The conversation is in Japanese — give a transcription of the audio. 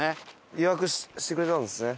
予約してくれたんですね。